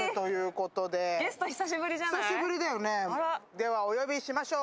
では、お呼びしましょう。